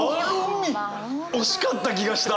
惜しかった気がした！